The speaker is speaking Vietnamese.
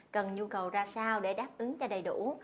cần nhu cầu ra sao để đáp ứng cho đầy đủ